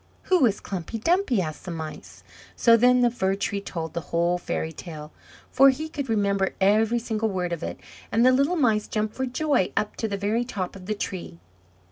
"Who is Klumpy Dumpy?" asked the Mice. So then the Fir tree told the whole fairy tale, for he could remember every single word of it; and the little Mice jumped for joy up to the very top of the Tree.